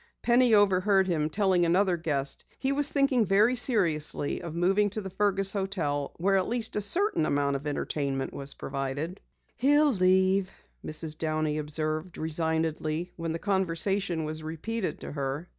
Penny overheard him telling another guest he was thinking very seriously of moving to the Fergus hotel where at least a certain amount of entertainment was provided. "He'll leave," Mrs. Downey observed resignedly when the conversation was repeated to her.